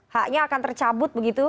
haknya akan tercabut begitu